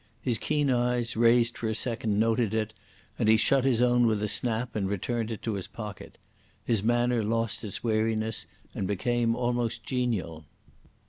His keen eyes, raised for a second, noted it, and he shut his own with a snap and returned it to his pocket. His manner lost its wariness and became almost genial.